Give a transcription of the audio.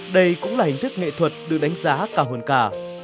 đây cũng là hình thức nghệ thuật được đánh giá cả hồn cả